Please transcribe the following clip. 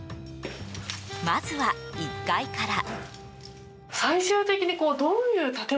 まずは、１階から。